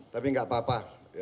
tapi enggak apa apa